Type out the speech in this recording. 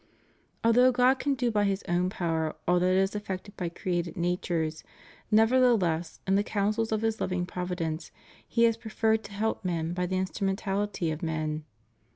Although God can do by His own power all that is effected by created natures, nevertheless in the counsels of His loving providence He has preferred to help men by the instrumentality of men.